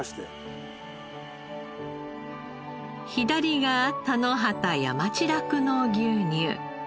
左が田野畑山地酪農牛乳。